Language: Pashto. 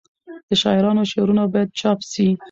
د شاعرانو شعرونه باید چاپ سي.